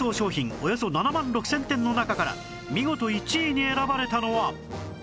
およそ７万６０００点の中から見事１位に選ばれたのは？